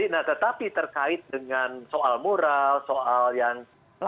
nah tetapi terkait dengan soal moral soal yang